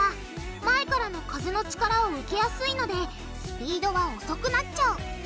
前からの風の力を受けやすいのでスピードは遅くなっちゃう。